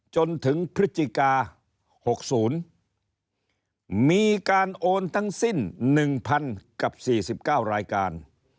จนถึงพฤติกาหกศูนย์มีการโอนทั้งสิ้นหนึ่งพันกับสี่สิบเก้ารายการ